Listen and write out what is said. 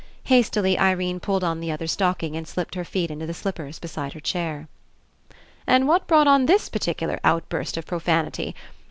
Hastily Irene pulled on the other stock ing and slipped her feet into the slippers beside her chair. "And what brought on this particular outburst of profanity?